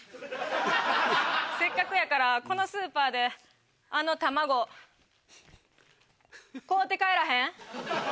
せっかくやからこのスーパーであの卵買うて帰らへん？